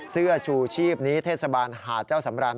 เสื้อชูชีพนี้เทศบาลหาดเจ้าสำราน